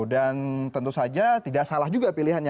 dan tentu saja tidak salah juga pilihannya